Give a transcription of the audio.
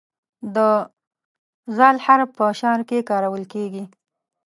د "ذ" حرف په شعر کې کارول کیږي.